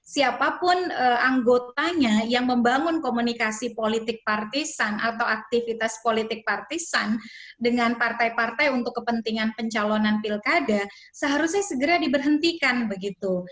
siapapun anggotanya yang membangun komunikasi politik partisan atau aktivitas politik partisan dengan partai partai untuk kepentingan pencalonan pilkada seharusnya segera diberhentikan begitu